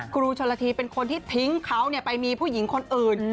ครูชนละทีเป็นคนที่ทิ้งเขาไปมีผู้หญิงคนอื่น